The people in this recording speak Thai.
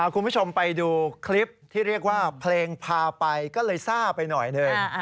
คุณผู้ชมไปดูคลิปที่เรียกว่าเพลงพาไปก็เลยซ่าไปหน่อยหนึ่ง